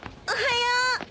おはよう。